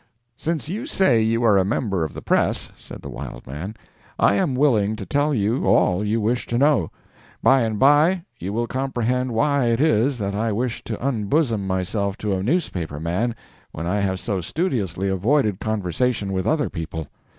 ..................... "Since you say you are a member of the press," said the wild man, "I am willing to tell you all you wish to know. Bye and bye you will comprehend why it is that I wish to unbosom myself to a newspaper man when I have so studiously avoided conversation with other people.